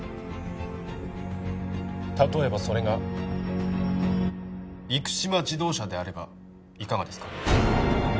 たとえばそれが生島自動車であればいかがですか？